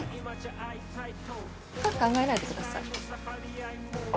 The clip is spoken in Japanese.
深く考えないでください。